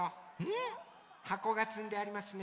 ん？はこがつんでありますね。